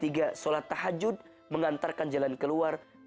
tiga sholat tahajud mengantarkan jalan keluar terbaik pada dirinya